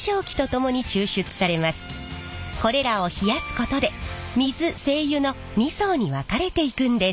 これらを冷やすことで水精油の２層に分かれていくんです。